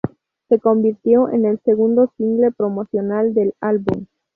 Se convirtió en el segundo single promocional del álbum.